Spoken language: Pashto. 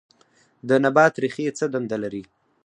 د نبات ریښې څه دنده لري